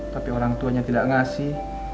tapi orang tuanya tidak ngasih